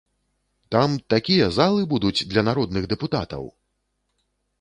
Там такія залы будуць для народных дэпутатаў!